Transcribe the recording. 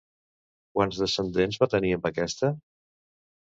Quants descendents va tenir amb aquesta?